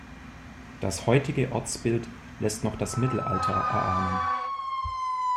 Das heutige Ortsbild lässt noch das Mittelalter erahnen.